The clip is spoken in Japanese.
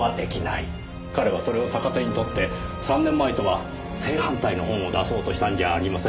彼はそれを逆手にとって３年前とは正反対の本を出そうとしたんじゃありませんか？